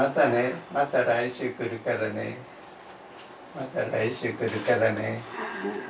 また来週来るからね。